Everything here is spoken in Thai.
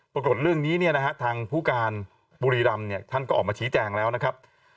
ปรากฏเรื่องนี้ทางผู้การปุรีรำท่านก็ออกมาฉีดแจงแล้วนะครับ